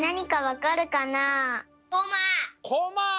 コマ！